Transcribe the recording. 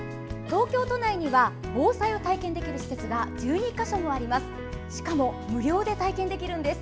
東京都内には防災を体験ができる施設が１２か所あります。